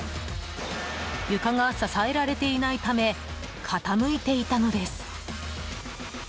床が支えられていないため傾いていたのです。